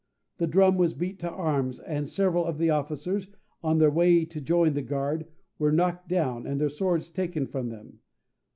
The drum was beat to arms, and several of the officers, on their way to join the guard, were knocked down, and their swords taken from them.